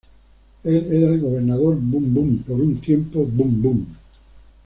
Él era el gobernador boom-boom por un tiempo boom-boom:.